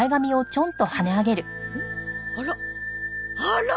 あら？